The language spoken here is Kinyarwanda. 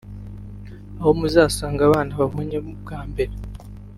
aho muzasanga abana mubonye bwa mbere